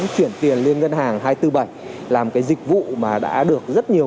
chuyển tiền liên ngân hàng hai trăm bốn mươi bảy làm cái dịch vụ mà đã được rất nhiều